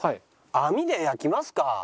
網で焼きますか！